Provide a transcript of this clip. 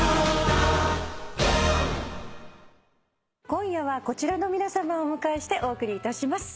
今夜はこちらの皆さまをお迎えしてお送りいたします。